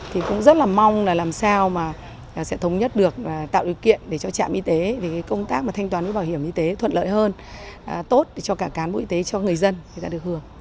thì cũng rất là mong là làm sao mà sẽ thống nhất được và tạo điều kiện để cho trạm y tế công tác mà thanh toán bảo hiểm y tế thuận lợi hơn tốt cho cả cán bộ y tế cho người dân người ta được hưởng